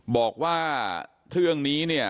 บอกว่าเรื่องนี้เนี่ย